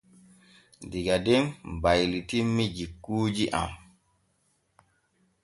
Diga den baylitinmi jikuuji am.